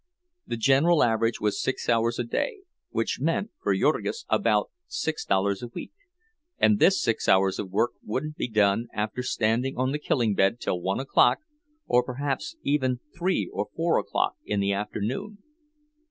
The general average was six hours a day, which meant for Jurgis about six dollars a week; and this six hours of work would be done after standing on the killing bed till one o'clock, or perhaps even three or four o'clock, in the afternoon.